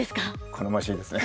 好ましいですね。